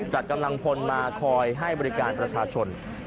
จัดกำลังพลมาคอยให้บริการประชาชน